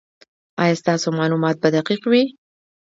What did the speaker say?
ایا ستاسو معلومات به دقیق وي؟